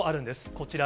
こちら。